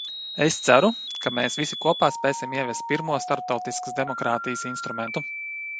Es ceru, ka mēs visi kopā spēsim ieviest pirmo starptautiskas demokrātijas instrumentu.